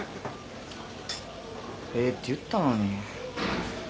ええって言ったのに。